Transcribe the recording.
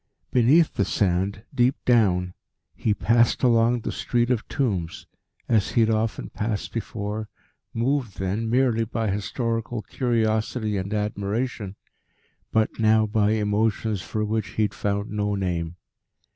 Beneath the sand, deep down, he passed along the Street of Tombs, as he had often passed before, moved then merely by historical curiosity and admiration, but now by emotions for which he found no name.